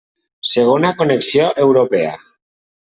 Segona connexió europea.